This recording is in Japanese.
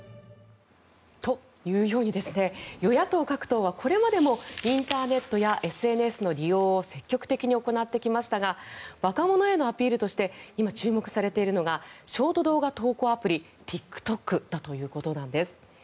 というように与野党各党はこれまでもインターネットやＳＮＳの利用を積極的に行ってきましたが若者へのアピールとして今、注目されているのがショート動画投稿アプリＴｉｋＴｏｋだということなんです。